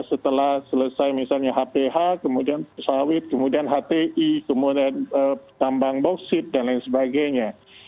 setelah selesai misalnya hph kemudian sawit kemudian hti kemudian tambang boksit dan lain sebagainya